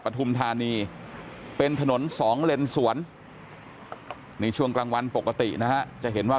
ทุมธานีเป็นถนนสองเลนสวนนี่ช่วงกลางวันปกตินะฮะจะเห็นว่า